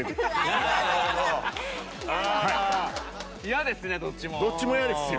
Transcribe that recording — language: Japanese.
嫌ですねどっちも。